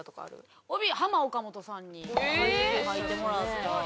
帯ハマ・オカモトさんに書いてもらった。